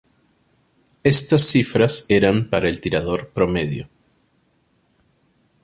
Estas cifras eran para el tirador promedio.